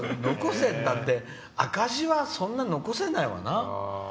赤字は、そんな残せないわな。